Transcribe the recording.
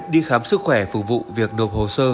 đi khám sức khỏe phục vụ việc nộp hồ sơ